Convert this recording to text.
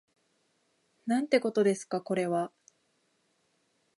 なんてことですかこれは